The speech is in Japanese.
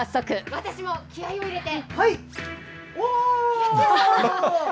私も気合いを入れて。